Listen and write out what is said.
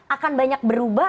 akan banyak berubah